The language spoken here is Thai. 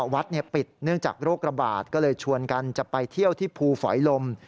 วัดปิดเนื่องจากโรคระบาดก็เลยชวนกันจะไปเที่ยวที่ภูฝอยลม